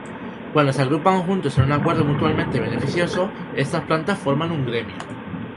Cuando se agrupan juntos en un acuerdo mutuamente beneficioso, estas plantas forman un gremio.